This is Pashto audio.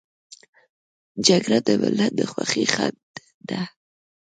جګړه د ملت د خوښۍ خنډ ده